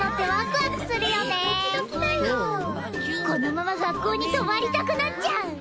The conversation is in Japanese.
このまま学校に泊まりたくなっちゃう。